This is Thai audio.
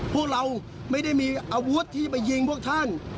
พวกเราไม่ได้มีอาวุธที่ไปยิงพวกท่าน